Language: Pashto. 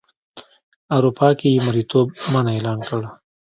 اروپا کې یې مریتوب منع اعلان کړ.